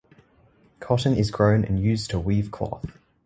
Cotton is grown and used to weave cloth.